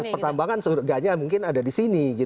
pertambangan surganya mungkin ada di sini